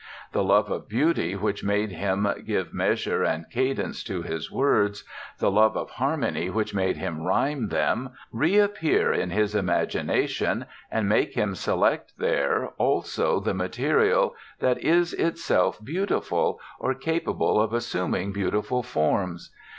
The love of beauty which made him give measure and cadence to his words, the love of harmony which made him rhyme them, reappear in his imagination and make him select there also the material that is itself beautiful, or capable of assuming beautiful forms.